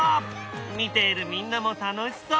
見ているみんなも楽しそう。